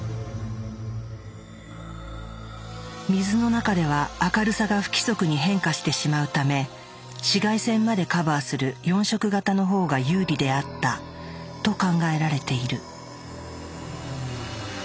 水の中では明るさが不規則に変化してしまうため紫外線までカバーする４色型の方が有利であったと考えられている。